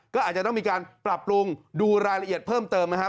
ก็อาจจะต้องมีการปรับปรุงดูรายละเอียดเพิ่มเติมนะครับ